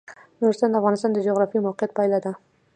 نورستان د افغانستان د جغرافیایي موقیعت پایله ده.